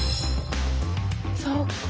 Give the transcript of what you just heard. そっか！